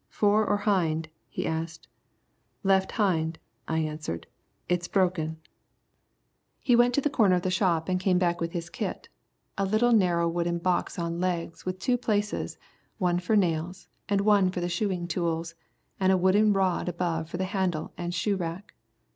"Fore or hind?" he asked. "Left hind," I answered; "it's broken." He went to the corner of the shop and came back with his kit, a little narrow wooden box on legs, with two places, one for nails and one for the shoeing tools, and a wooden rod above for handle and shoe rack.